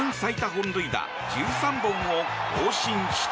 本塁打１３本を更新した。